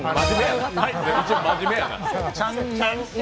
一応、真面目やな。